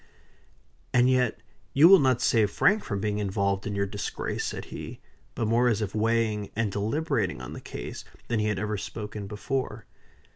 "And yet you will not save Frank from being involved in your disgrace," said he; but more as if weighing and deliberating on the case than he had ever spoken before.